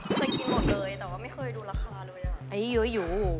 เคยกินหมดเลยแต่ไม่เคยดูราคาเลย